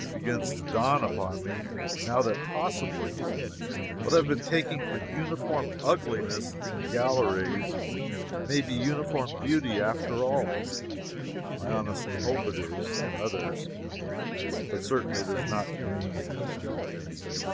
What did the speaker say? It begins to dawn upon me, now, that possibly, what I have been taking for uniform ugliness in the galleries may be uniform beauty after all. I honestly hope it is, to others, but certainly it is not to me.